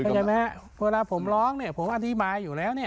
เห็นไหมพอเวลาผมร้องผมอธิบายอยู่แล้วเนี่ย